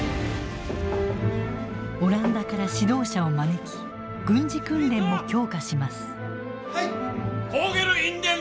オランダから指導者を招き軍事訓練も強化します。